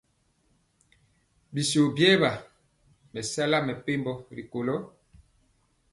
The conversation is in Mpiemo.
Ɓisio ɓiɛwa me sala mɛpembo rikolo.